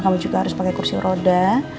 kami juga harus pakai kursi roda